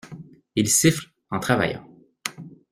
Il siffle en travaillant.